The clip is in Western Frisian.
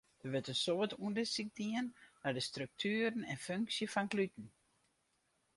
Der wurdt in soad ûndersyk dien nei de struktueren en funksje fan gluten.